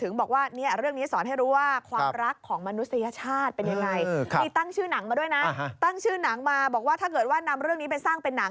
แล้วก็หมูป่าฮูย่าผจญภัยหมูป่าผจญภัยในถ้ำหลวง